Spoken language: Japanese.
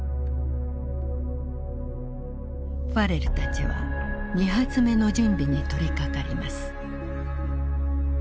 ファレルたちは２発目の準備に取りかかります。